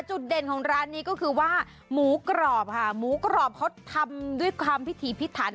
จุดเด่นของร้านนี้ก็คือว่าหมูกรอบค่ะหมูกรอบเขาทำด้วยความพิถีพิถัน